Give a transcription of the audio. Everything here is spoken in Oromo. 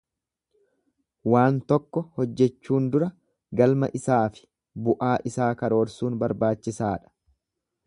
Waanta tokko hojjechuun dura galma isaafi bu'aa isaa karoorsuun barbaachisaadha.